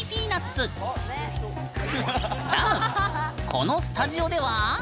このスタジオでは。